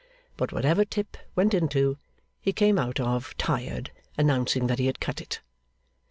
But whatever Tip went into, he came out of tired, announcing that he had cut it.